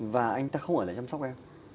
và anh ta không ở để chăm sóc em